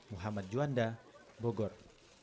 muhammad juanda bogor